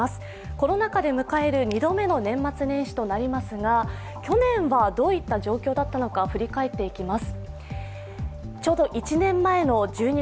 コロナ禍で迎える二度目の年末年始になりますが去年はどういった状況だったのか、振り返っていきます。